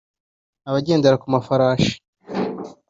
abagendera ku mafarashi